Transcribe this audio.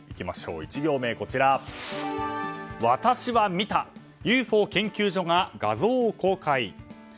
１行目、私は見たＵＦＯ研究所が画像を公開。